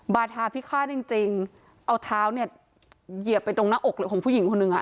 บาทาพิฆาตจริงจริงเอาเท้าเนี่ยเหยียบไปตรงหน้าอกหรือของผู้หญิงคนหนึ่งอ่ะ